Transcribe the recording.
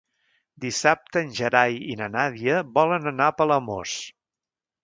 Dissabte en Gerai i na Nàdia volen anar a Palamós.